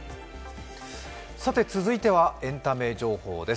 続いてはエンタメ情報です。